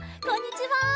こんにちは。